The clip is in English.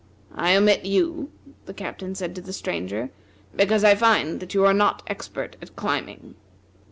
"I omit you," the Captain said to the Stranger, "because I find that you are not expert at climbing."